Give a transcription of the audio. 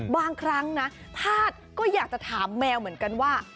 บางครั้งนะธาตุก็อยากจะถามแมวเหมือนกันว่า